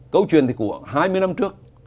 câu chuyện thì của hai mươi năm trước